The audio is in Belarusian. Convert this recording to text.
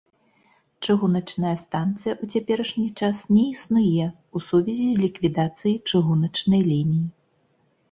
Чыгуначная станцыя ў цяперашні час не існуе ў сувязі з ліквідацыяй чыгуначнай лініі.